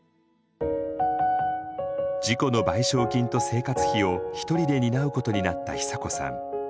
事故の賠償金と生活費を一人で担うことになった久子さん。